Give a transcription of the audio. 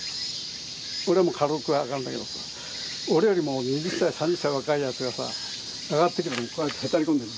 俺はもう軽く上がるんだけどさ俺よりも２０歳３０歳若いやつがさ上がってきてこうやってへたり込んでる。